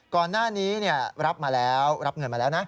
ก่อนหน้านี้รับเงินมาแล้วนะ